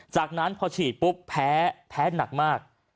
จากนั้นพอฉีดปุ๊บแพ้หนักมาก